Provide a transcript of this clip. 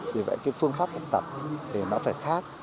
vì vậy cái phương pháp học tập thì nó phải khác